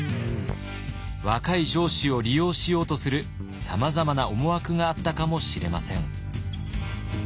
若い城主を利用しようとするさまざまな思惑があったかもしれません。